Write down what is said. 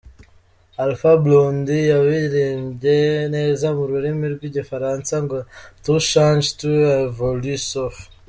Alpha Blondi yabiririmbye neza mu rurimi rw’igifaransa ngo “Tout change, tout évolue sauf…”